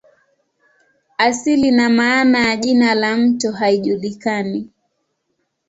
Asili na maana ya jina la mto haijulikani.